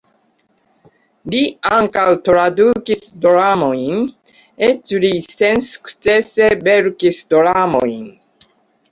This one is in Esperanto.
Li ankaŭ tradukis dramojn, eĉ li sensukcese verkis dramojn.